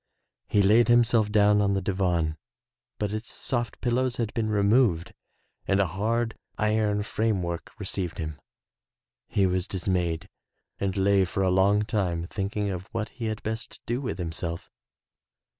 He laid himself down on the divan but its soft pil lows had been removed and a hard iron frame work received him. He was dismayed and lay for a long time thinking of what he had best do with himself.